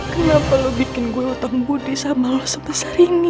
kenapa lo bikin gue lotong budi sama lo sebesar ini